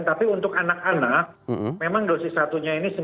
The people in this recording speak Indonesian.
tapi untuk anak anak memang dosis satu nya ini sembilan puluh